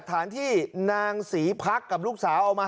คอยเร่งเขาอยู่ตลอดเวลา